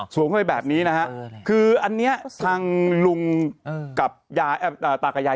อ๋อสวมไปแบบนี้นะฮะคืออันเนี้ยทางลุงกับยาอ่าตากยาย